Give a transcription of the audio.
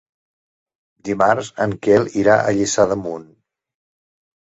Dimarts en Quel irà a Lliçà d'Amunt.